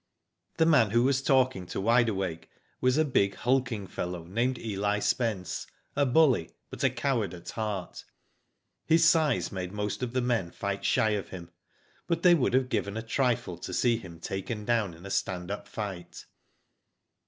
The man who was talking to Wide Awake was a big, hulking fellow, named Eli Spence, a bully, but a coward at heart. His size made most of the men fight shy of him; but they would have given a trifle to see him taken down in a stand up fight.